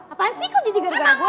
apaan sih kok jadi gara gara gue